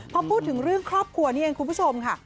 พอพูดถึงเรื่องครอบครัวนี้เองคุณผู้ชมค่ะ